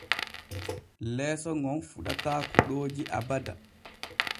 Leeso ŋon fuɗataa kuɗooji abada.